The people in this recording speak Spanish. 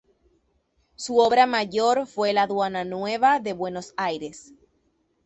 Su obra mayor fue la Aduana Nueva de Buenos Aires.